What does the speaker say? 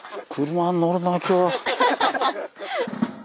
車に乗るなあ今日は。